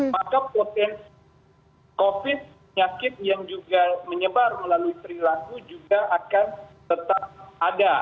maka potensi covid nyakit yang juga menyebar melalui perilaku juga akan tetap ada